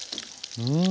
うん。